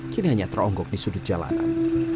kini hanya teronggok di sudut jalanan